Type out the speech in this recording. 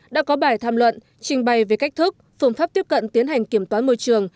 đã có bài tham luận trình bày về cách thức phương pháp tiếp cận tiến hành kiểm toán môi trường